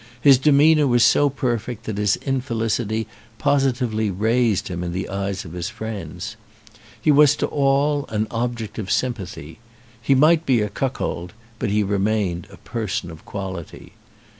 His demeanour was so perfect that his infelicity positively raised him in the eyes of his friends. He was to all an object of sympathy. He might be a cuckold, but he re mained a person of quality.